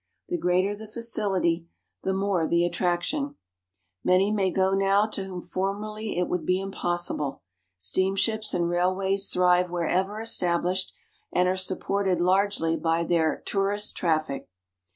The greater the facility the more the xiii xiv INTRODUCTION attraction. Many may go now to whom formerly it would be impossible. Steamships and railways thrive wherever estab lished, and are supported largely by their " tourist traffic."